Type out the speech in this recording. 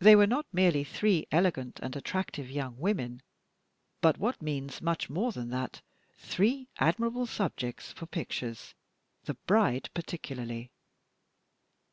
They were not merely three elegant and attractive young women, but what means much more than that three admirable subjects for pictures, the bride particularly.